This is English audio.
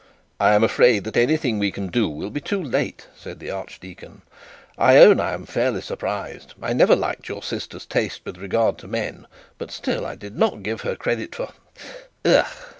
'I am afraid that anything we can do will be too late,' said the archdeacon. 'I own I am fairly surprised. I never liked your sister's taste with regard to men; but still I did not give her credit for ugh!'